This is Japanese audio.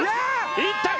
いったか？